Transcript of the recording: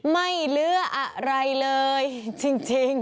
ไม่เหลืออะไรเลยจริง